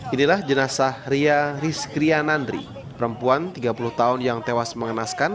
inilah jenazah ria rizkrianandri perempuan tiga puluh tahun yang tewas mengenaskan